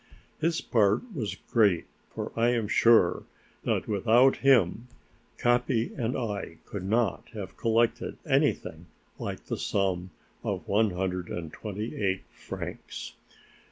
His part was great, for I am sure that without him, Capi and I could not have collected anything like the sum of one hundred and twenty eight francs!